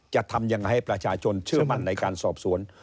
จะทำยังไงให้ประชาชนเชื่อมั่นในการสอบสวน